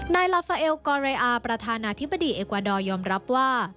ลาฟาเอลกอเรอาประธานาธิบดีเอกวาดอร์ยอมรับว่า